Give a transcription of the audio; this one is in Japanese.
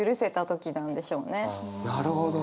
なるほど。